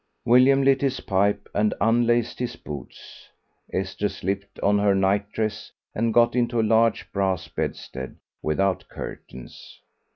William lit his pipe and unlaced his boots. Esther slipped on her night dress and got into a large brass bedstead, without curtains.